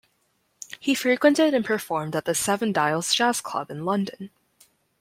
He frequented and performed at the Seven Dials Jazz Club in London.